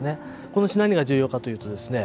この石何が重要かというとですね